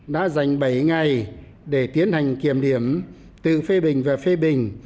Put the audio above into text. đã dành bảy ngày để tiến hành kiểm điểm tự phê bình và phê bình